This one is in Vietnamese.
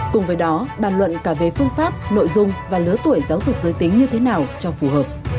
cùng với đó bàn luận cả về phương pháp nội dung và lứa tuổi giáo dục giới tính như thế nào cho phù hợp